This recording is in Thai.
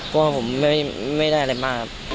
กลัวผมไม่ได้อะไรมากครับ